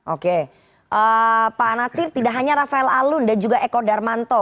oke pak anasir tidak hanya rafael alun dan juga eko darmanto